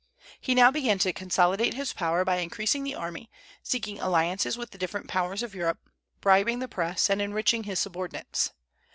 He now began to consolidate his power by increasing the army, seeking alliances with the different powers of Europe, bribing the Press, and enriching his subordinates.